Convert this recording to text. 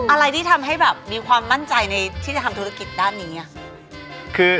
อะไรที่ทำให้แบบมีความมั่นใจในที่จะทำธุรกิจด้านนี้